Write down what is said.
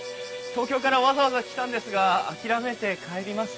東京からわざわざ来たんですが諦めて帰ります。